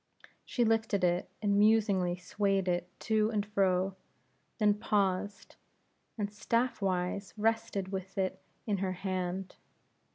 She lifted it, and musingly swayed it to and fro; then paused, and staff wise rested with it in her hand.